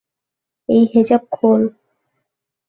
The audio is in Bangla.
এই হিজাব খোল।